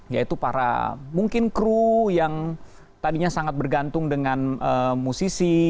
yaitu para mungkin kru yang tadinya sangat bergantung dengan musisi